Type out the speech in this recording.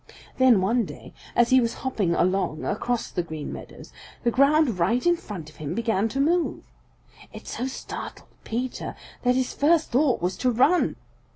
Then one day, as he was hopping along across the Green Meadows, the ground right in front of him began to move. It so startled Peter that his first thought was to run.